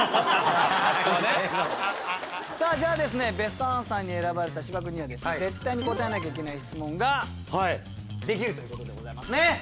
さぁじゃあベストアンサーに選ばれた芝君には絶対に答えなきゃいけない質問ができるということでございますね。